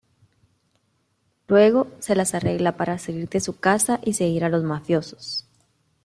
Luego, se las arregla para salir de su casa y seguir a los mafiosos.